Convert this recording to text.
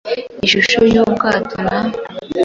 ishusho yubwato na